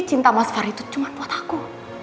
cinta mas far itu cuma buat aku